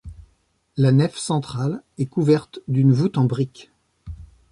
La nef centrale est couverte d'une voûte en brique.